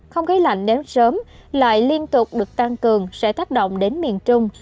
khí lạnh đến sớm lại liên tục được tăng cường sẽ tác động đến miền trung